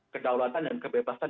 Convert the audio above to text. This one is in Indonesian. kedaulatan dan kebebasan